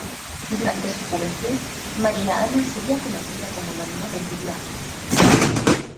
Durante su juventud María Ana sería conocida como Mademoiselle de Blois.